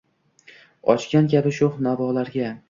Ochgan kabi shoʻx navolarga –